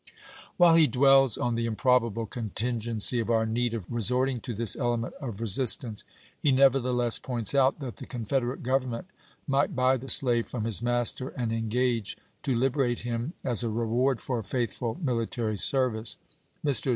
While he dwells on the " improbable contingency of our need of resorting to this element of resist ance," he nevertheless points out that the Confed erate Grovernment might buy the slave from his master and engage to liberate him as a reward for faithful military service. Mr.